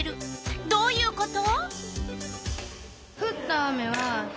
どういうこと？